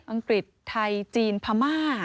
อังกฤษไทยจีนพม่า